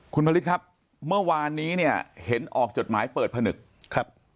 คุณภริกครับเมื่อวานนี้เห็นออกจดหมายเปิดพนึก